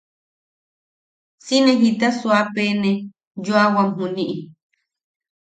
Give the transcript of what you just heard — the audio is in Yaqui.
Si ne jita suuapene yoawam juniʼi.